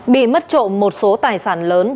bị mất trộm một số tài sản lớn và đến trường hợp